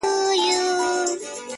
پاچا لگیا دی وه زاړه کابل ته رنگ ورکوي؛